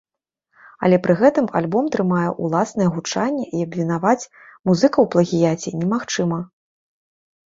Але пры гэтым альбом трымае ўласнае гучанне і абвінаваць музыкаў у плагіяце немагчыма.